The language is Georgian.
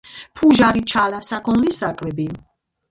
ფუჟარი - ჩალა, საქონლის საკვები